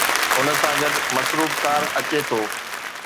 ان سان گڏ "مصروف ڪار" اچي ٿو.